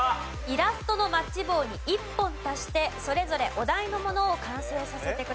イラストのマッチ棒に１本足してそれぞれお題のものを完成させてください。